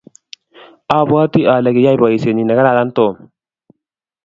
abwatii ale kiyay boisie nekararan Tom.